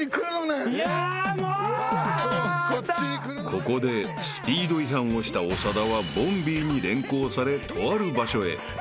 ［ここでスピード違反をした長田はボンビーに連行されとある場所へ］